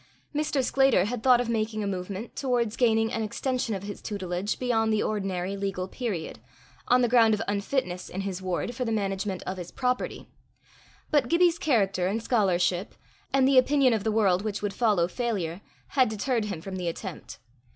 Mr. Sclater had thought of making a movement towards gaining an extension of his tutelage beyond the ordinary legal period, on the ground of unfitness in his ward for the management of his property; but Gibbie's character and scholarship, and the opinion of the world which would follow failure, had deterred him from the attempt.